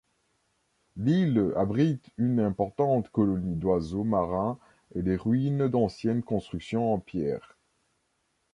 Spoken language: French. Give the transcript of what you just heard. L’île abrite une importante colonie d'oiseaux marins et les ruines d’anciennes constructions en pierre.